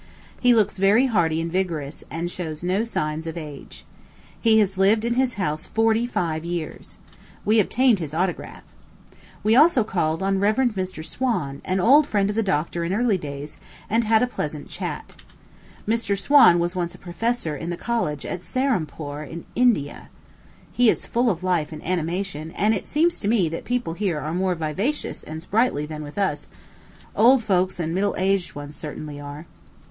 He looks very hearty and vigorous, and shows no signs of age. He has lived in his house forty five years. We obtained his autograph. We also called on Rev. Mr. Swan, an old friend of the doctor in early days, and had a pleasant chat. Mr. Swan was once a professor in the college at Serampore, in India. He is full of life and animation; and it seems to me that people here are more vivacious and sprightly than with us old folks and middle aged ones certainly are.